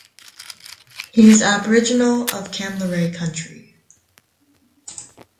He is aboriginal of Kamilaroi country.